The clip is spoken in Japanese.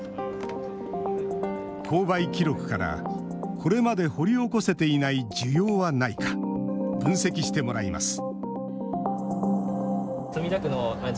購買記録から、これまで掘り起こせていない需要はないか分析してもらいます